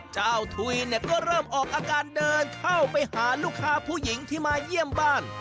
ทุยเนี่ยก็เริ่มออกอาการเดินเข้าไปหาลูกค้าผู้หญิงที่มาเยี่ยมบ้าน